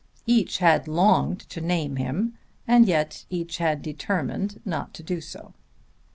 Each had longed to name him, and yet each had determined not to do so.